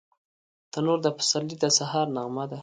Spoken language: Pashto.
تنور د پسرلي د سهار نغمه ده